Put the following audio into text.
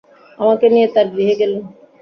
আমাকে নিয়ে তার গৃহে গেলেন।